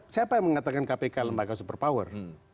siapa yang mengatakan kpk lembaga super power